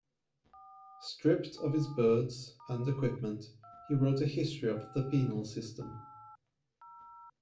Stripped of his birds and equipment, he wrote a history of the penal system.